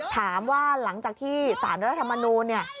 หลังจากที่สารรัฐธรรมนูลเนี่ย